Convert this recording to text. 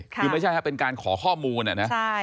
คือไม่ใช่ครับเป็นการขอข้อมูลนะ